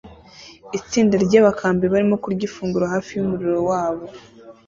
Itsinda ryabakambi barimo kurya ifunguro hafi yumuriro wabo